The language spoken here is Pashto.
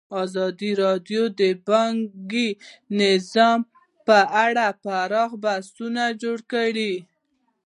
ازادي راډیو د بانکي نظام په اړه پراخ بحثونه جوړ کړي.